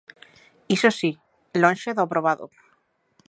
Iso si, lonxe do aprobado.